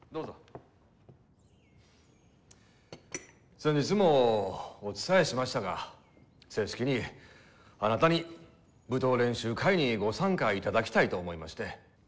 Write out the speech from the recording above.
先日もお伝えしましたが正式にあなたに舞踏練習会にご参加いただきたいと思いまして。